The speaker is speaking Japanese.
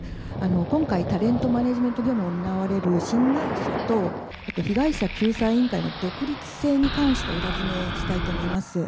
今回、タレントマネジメント業務を担われる新会社と、被害者救済委員会の独立性に関してお尋ねしたいと思います。